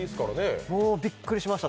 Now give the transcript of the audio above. もうびっくりしました